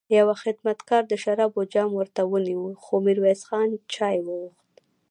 يوه خدمتګار د شرابو جام ورته ونيو، خو ميرويس خان چای وغوښت.